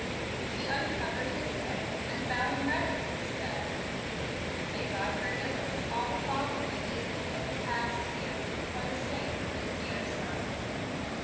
He uncovered his head, and, bowing reverently, said, "May God forgive us all the folly and evil of the past year, for the sake of His dear Son."